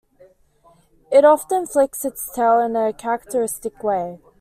It often flicks its tail in a characteristic way.